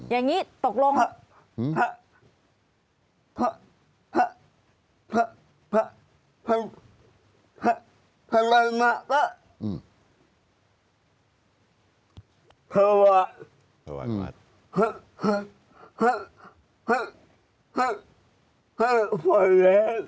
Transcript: อย่างนี้ตกลง